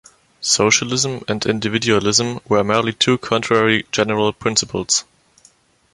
Socialism and individualism are merely two contrary general principles.